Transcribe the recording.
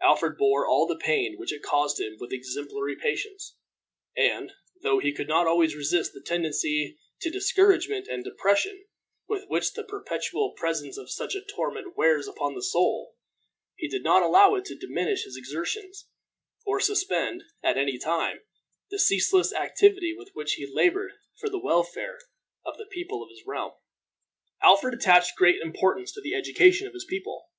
Alfred bore all the pain which it caused him with exemplary patience; and, though he could not always resist the tendency to discouragement and depression with which the perpetual presence of such a torment wears upon the soul, he did not allow it to diminish his exertions, or suspend, at any time, the ceaseless activity with which he labored for the welfare of the people of his realm. Alfred attached great importance to the education of his people.